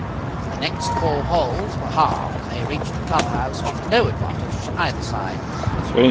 The next four holes were halved and they reached the club house with no advantage to either side.